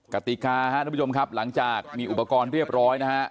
กฏิกาหนะพี่ผู้ชมครับหลังจากมีอุปกรณ์เรียบร้อย